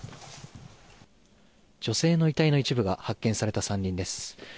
女性の遺体の一部が発見された山林です。